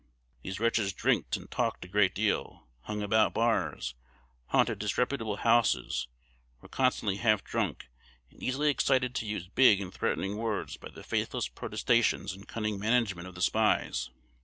These wretches "drinked" and talked a great deal, hung about bars, haunted disreputable houses, were constantly half drunk, and easily excited to use big and threatening words by the faithless protestations and cunning management of the spies.